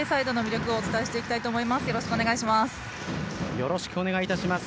よろしくお願いします。